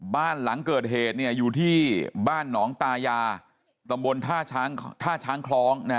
บ้านหลังเกิดเหตุอยู่ที่บ้านหนองตายาตำบลท่าช้างคล้อง